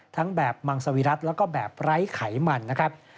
ทั้งแบบมังสวิรัติแล้วก็แบบไร้ไขมันนะครับ